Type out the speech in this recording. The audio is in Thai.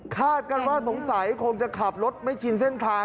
กันว่าสงสัยคงจะขับรถไม่ชินเส้นทาง